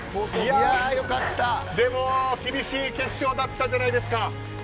でも厳しい決勝だったんじゃないですか。